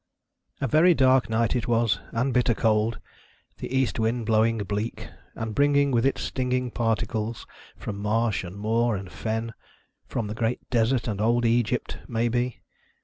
A VERT dark night it was, and bitter cold ; the east wind blowing bleak, and bringing with it stinging particles from marsh, and moor, and fen — from the Great Desert and Old Egypt, may be.